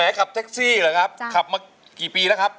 ขับแท็กซี่เหรอครับขับมากี่ปีแล้วครับ